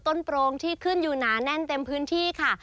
โปรงที่ขึ้นอยู่หนาแน่นเต็มพื้นที่ค่ะ